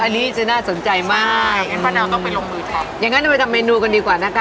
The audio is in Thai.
แต่แทรกด้วยรสชาติของรสต่างต่างนะคะลองกินมะพร้าวบูเบอรี่ไหมคะ